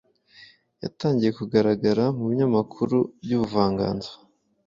yatangiye kugaragara mubinyamakuru byubuvanganzo